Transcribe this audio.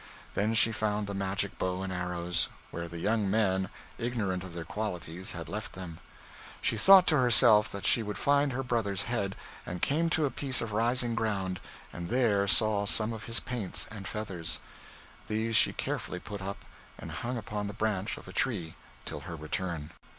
Then she found the magic bow and arrows, where the young men, ignorant of their qualities, had left them. She thought to herself that she would find her brother's head, and came to a piece of rising ground, and there saw some of his paints and feathers. These she carefully put up, and hung upon the branch of a tree till her return.